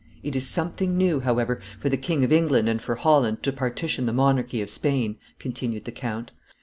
"It is something new, however, for the King of England and for Holland to partition the monarchy of Spain," continued the count.